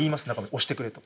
「押してくれ」とか。